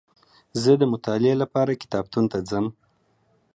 زه دمطالعې لپاره کتابتون ته ځم